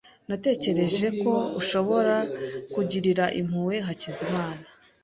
Natekereje ko ushobora kugirira impuhwe Hakizimana .